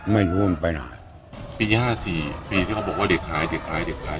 ไม่รู้มันไปไหนปีห้าสี่ปีที่เขาบอกว่าเด็กหายเด็กหายเด็กหาย